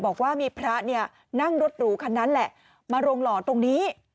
บอกว่ามีพระเนี่ยนั่งรถหรูคันนั้นแหละมาโรงหล่อตรงนี้